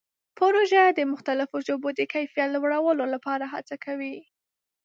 پروژه د مختلفو ژبو د کیفیت لوړولو لپاره هڅه کوي.